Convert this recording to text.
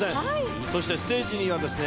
そしてステージにはですね